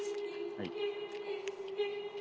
はい。